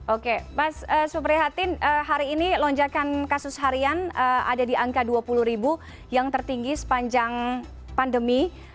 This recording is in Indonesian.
oke mas suprihatin hari ini lonjakan kasus harian ada di angka dua puluh ribu yang tertinggi sepanjang pandemi